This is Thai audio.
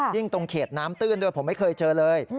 ตรงเขตน้ำตื้นด้วยผมไม่เคยเจอเลย